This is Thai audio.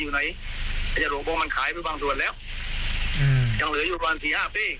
อยู่ไหนมันขายไปบางส่วนแล้วอืมยังเหลืออยู่ประมาณสี่ห้าเป้